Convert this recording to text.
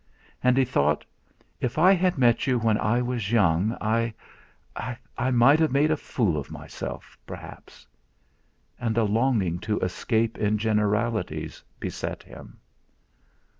And he thought: 'If I had met you when I was young I I might have made a fool of myself, perhaps.' And a longing to escape in generalities beset him.